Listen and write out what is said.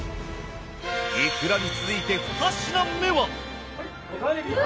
いくらに続いて２品目は？